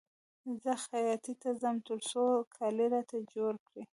زه خیاطۍ ته ځم تر څو کالي راته جوړ کړي